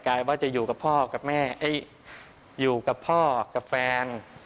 ลายว่าจะอยู่กับพ่อกับแม่อยู่กับพ่อกับแฟน